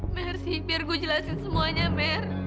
merci biar gua jelasin semuanya mer